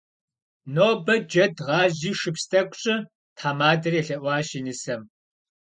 Нобэ джэд гъажьи шыпс тӏэкӏу щӏы, - тхьэмадэр елъэӏуащ и нысэм.